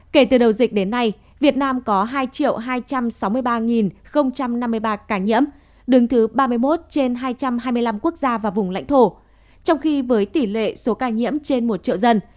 kể từ đầu dịch đến nay việt nam có hai hai trăm sáu mươi ba năm mươi ba ca nhiễm đứng thứ ba mươi một trên hai trăm hai mươi năm quốc gia và vùng lãnh thổ trong khi với tỷ lệ số ca nhiễm trên một triệu dân